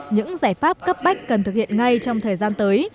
những giải pháp cấp bách cần thực hiện ngay trong thời gian tới